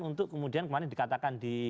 untuk kemudian kemarin dikatakan di